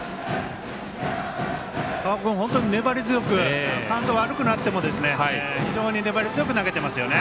高尾君、本当に粘り強くカウントが悪くなっても非常に粘り強く投げてますよね。